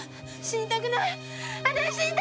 死にたくない！